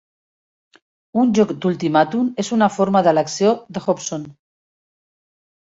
Un joc d' ultimàtum és una forma d'elecció de Hobson.